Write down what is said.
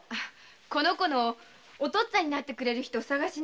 この子のお父っつぁんになってくれる人捜しに。